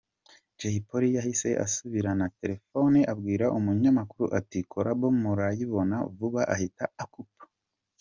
Jay Polly yahise asubirana telefone abwira umunyamakuru ati “Collabo murayibona vuba” ahita akupa.